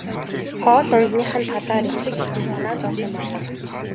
Хоол ундных нь талаар эцэг эхэд нь санаа зовох юм алга.